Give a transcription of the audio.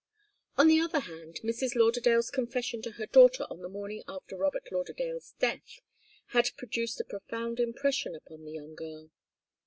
On the other hand, Mrs. Lauderdale's confession to her daughter on the morning after Robert Lauderdale's death had produced a profound impression upon the young girl.